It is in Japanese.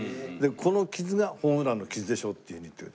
「この傷がホームランの傷でしょう」っていうふうに言ってくれて。